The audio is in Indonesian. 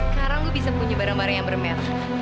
sekarang gue bisa punya barang barang yang bermerek